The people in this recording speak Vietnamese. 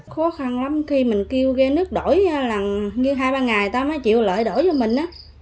khó khăn lắm khi mình kêu ghe nước đổi là như hai ba ngày người ta mới chịu lợi đổi cho mình á